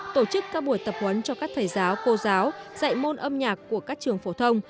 tổ chức các buổi tập huấn cho các thầy giáo cô giáo dạy môn âm nhạc của các trường phổ thông